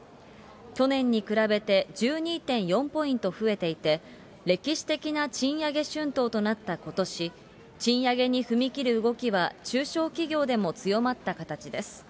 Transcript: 去年に比べて１２．４ポイント増えていて、歴史的な賃上げ春闘となったことし、賃上げに踏み切る動きは中小企業でも強まった形です。